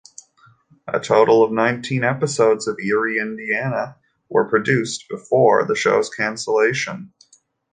A total of nineteen episodes of "Eerie, Indiana" were produced before the show's cancellation.